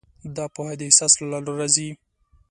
دا پوهه د احساس له لارې راځي.